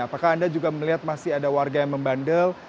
apakah anda juga melihat masih ada warga yang membandel